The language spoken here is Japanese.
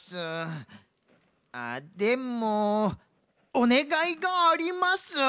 あでもおねがいがあります。